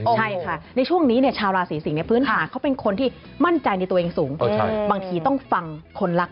ใช่บางคนอาจจะทำธุรกิจร่วมกับคนรัก